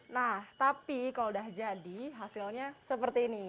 nah tapi kalau udah jadi hasilnya seperti ini